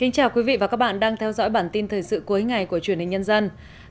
chào mừng quý vị đến với bản tin thời sự cuối ngày của truyền hình nhân dân